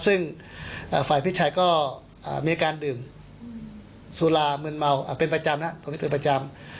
ซึ่งฝ่ายพี่ชายก็มีอาการดื่มสุรามืนเมาเป็นประจำนะครับ